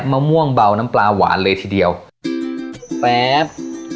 มะม่วงเบาน้ำปลาหวานเลยทีเดียวแป๊บ